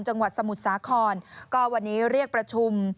จังหวัดสมุทรสาครก็วันนี้เรียกประชุม